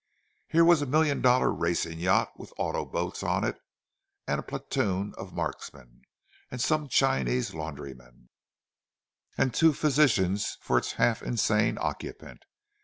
Here was a million dollar racing yacht with auto boats on it and a platoon of marksmen, and some Chinese laundrymen, and two physicians for its half insane occupant.